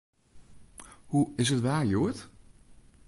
Hoe is it waar hjoed?